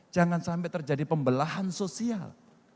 jangan sampai terjadi pembelahan sosial